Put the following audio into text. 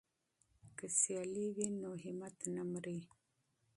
که سیالي وي نو همت نه مري.